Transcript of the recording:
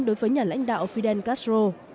đối với nhà lãnh đạo fidel castro